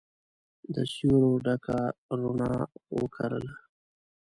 د سیورو ډکه روڼا وکرله